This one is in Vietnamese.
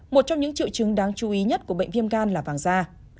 một trong những triệu chứng đáng chú ý nhất của bệnh viêm gan là vàng da